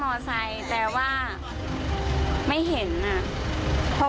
มันเป็นแบบที่สุดท้าย